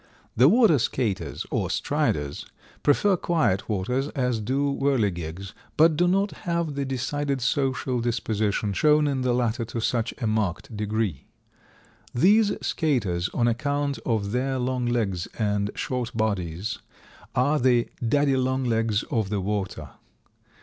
The Water skaters, or Striders, prefer quiet waters, as do the Whirligigs, but do not have the decided social disposition, shown in the latter to such a marked degree. These Skaters, on account of their long legs and short bodies, are the "Daddy long legs" of the water.